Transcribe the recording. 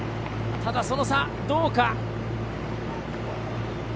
ただ、その差、どうか。